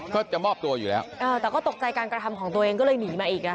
ก็จะมอบตัวอยู่แล้วเออแต่ก็ตกใจการกระทำของตัวเองก็เลยหนีมาอีกอ่ะ